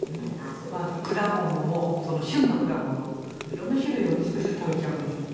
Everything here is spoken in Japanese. まず果物もその旬の果物色んな種類をね少しずつ食べちゃうんです。